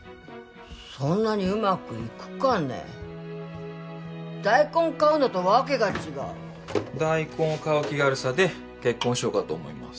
そんなにうまくいくかね大根買うのと訳が違う大根を買う気軽さで結婚しようかと思います